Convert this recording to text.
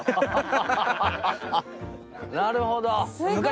なるほど。